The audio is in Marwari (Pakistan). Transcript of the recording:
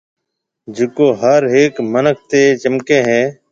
جڪو هر هيڪ منِک تي چمڪَي هيَ۔